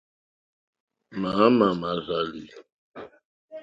Máámà mà rzàlì.